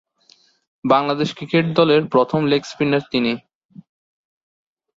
Bangladesh cricket দলের প্রথম leg spinner তিনি।